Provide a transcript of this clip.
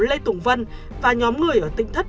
lê tùng vân và nhóm người ở tỉnh thất